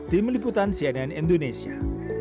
tim liputan cnn indonesia